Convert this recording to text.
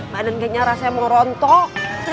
badan genyar rasanya mau rontok